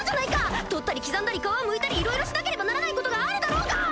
取ったり刻んだり皮をむいたりいろいろしなければならないことがあるだろうが！